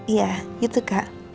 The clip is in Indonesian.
iya gitu kak